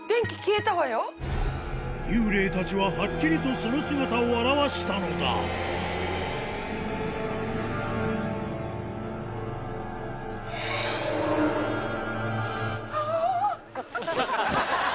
幽霊たちははっきりとその姿を現したのだあぁ！